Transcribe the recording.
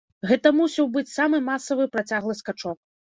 Гэта мусіў быць самы масавы працяглы скачок.